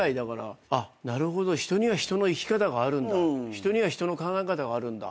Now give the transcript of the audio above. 人には人の考え方があるんだ。